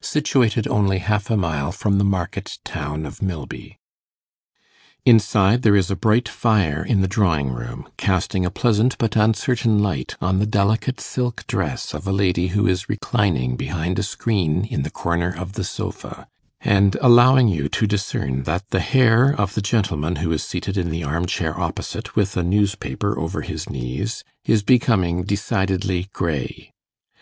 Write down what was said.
situated only half a mile from the market town of Milby. Inside, there is a bright fire in the drawing room, casting a pleasant but uncertain light on the delicate silk dress of a lady who is reclining behind a screen in the corner of the sofa, and allowing you to discern that the hair of the gentleman who is seated in the arm chair opposite, with a newspaper over his knees, is becoming decidedly grey.